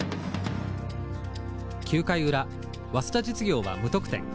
９回裏早稲田実業は無得点。